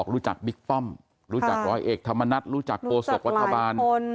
รู้จักบิ๊กป้อมรู้จักรอยเอกธรรมนัฐรู้จักโปสต์สวทบาทบาล